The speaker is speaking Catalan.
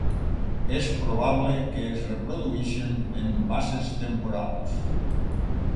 És probable que es reprodueixin en basses temporals.